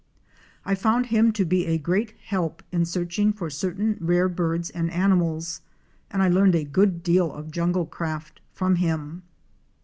I found him to be a great help in search ing for certain rare birds and animals, and I learned a good deal of jungle craft from him.